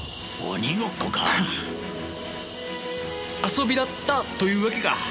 遊びだったというわけか。